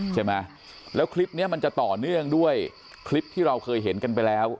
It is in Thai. ใช่ไหมแล้วคลิปนี้มันจะต่อเนื่องด้วยคลิปที่เราเคยเห็นกันไปแล้ว